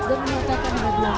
dan menyatakan bagian warga